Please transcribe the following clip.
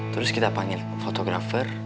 terus kita panggil fotografer